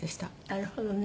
なるほどね。